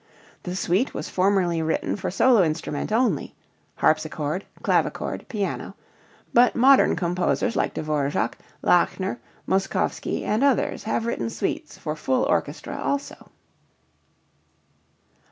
The suite was formerly written for solo instrument only (harpsichord, clavichord, piano) but modern composers like Dvo[vr]ák, Lachner, Moszkowski, and others have written suites for full orchestra also.